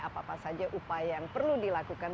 apa apa saja upaya yang perlu dilakukan